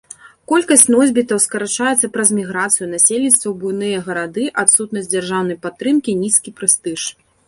Колькасць носьбітаў скарачаецца праз міграцыю насельніцтва ў буйныя гарады, адсутнасць дзяржаўнай падтрымкі, нізкі прэстыж.